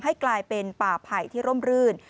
ให้กลายเป็นป่าไผ่ที่ร่มรื่น